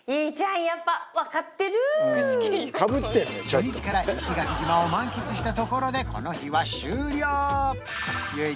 初日から石垣島を満喫したところでこの日は終了結実